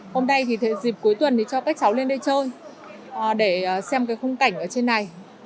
hôm nay thì dịp cuối tuần thì cho các cháu lên đây chơi để xem cái khung cảnh ở trên này